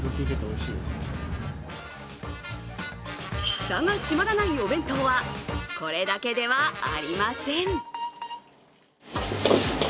フタが閉まらないお弁当は、これだけではありません。